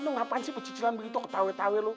lo ngapain sih pecicilan begitu ketawet tawe lo